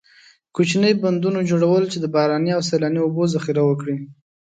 کوچنۍ بندونو جوړول چې د باراني او سیلابي اوبو ذخیره وکړي.